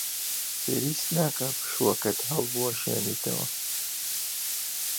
پێویست ناکات پشووەکەت هەڵبوەشێنیتەوە.